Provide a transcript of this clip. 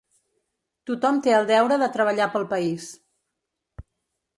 Tothom té el deure de treballar pel país.